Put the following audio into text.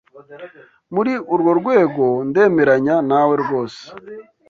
Muri urwo rwego, ndemeranya nawe rwose.